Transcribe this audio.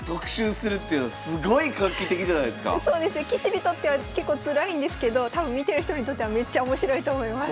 棋士にとっては結構つらいんですけど多分見てる人にとってはめっちゃ面白いと思います。